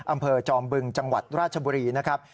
จอมบึงจังหวัดราชบุรีนะครับ